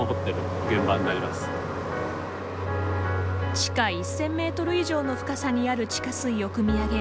地下１，０００メートル以上の深さにある地下水をくみ上げる